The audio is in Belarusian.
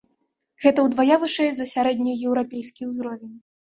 Гэта ўдвая вышэй за сярэднееўрапейскі ўзровень.